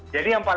jadi yang penting